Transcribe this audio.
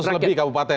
seratus lebih kabupaten